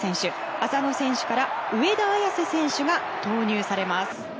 浅野選手から上田綺世選手が投入されます。